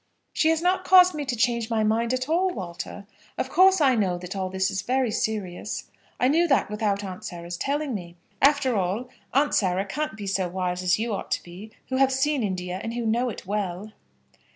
"She has not caused me to change my mind at all, Walter. Of course I know that all this is very serious. I knew that without Aunt Sarah's telling me. After all, Aunt Sarah can't be so wise as you ought to be, who have seen India and who know it well."